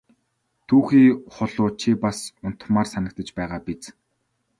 Түүхий хулуу чи бас унтмаар санагдаж байгаа биз!